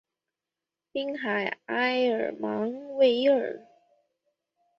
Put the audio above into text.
滨海埃尔芒维尔。